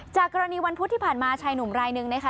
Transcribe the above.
จากกรณีวันพุธที่ผ่านมาชายหนุ่มรายหนึ่งนะคะ